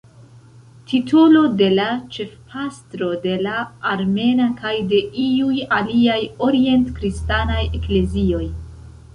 Titolo de la ĉefpastro de la armena kaj de iuj aliaj orient-kristanaj eklezioj.